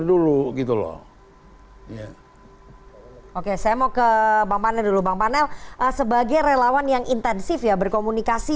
dulu gitu loh oke saya mau ke bapaknya dulu bapaknya sebagai relawan yang intensif ya berkomunikasi